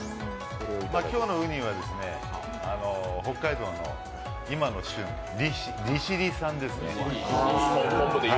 今日のうにはですね、北海道の今の旬、利尻産ですね。